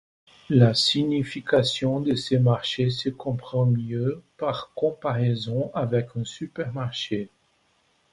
La signification de ce marché se comprend mieux par comparaison avec un supermarché.